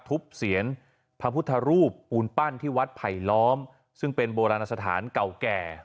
เสียนพระพุทธรูปปูนปั้นที่วัดไผลล้อมซึ่งเป็นโบราณสถานเก่าแก่